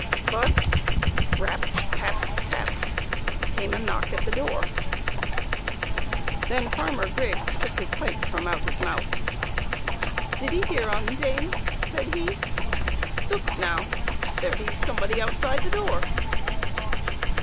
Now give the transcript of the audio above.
But, rap ! tap ! tap ! came a knock at the door. Then Farmer Griggs took his pipe from out his mouth. " Did 'ee hear un, dame ?" said he. " Zooks now, there be somebody outside the door."